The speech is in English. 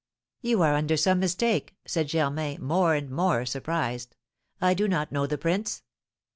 "You are under some mistake," said Germain, more and more surprised; "I do not know the prince."